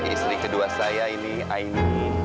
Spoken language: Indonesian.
istri kedua saya ini aini